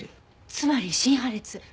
つまり心破裂。